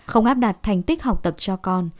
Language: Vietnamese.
không áp đặt thành tích học tập cho con